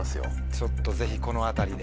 ちょっとぜひこのあたりで。